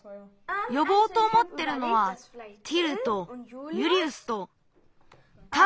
よぼうとおもってるのはティルとユリウスとたぶんダヴィッド。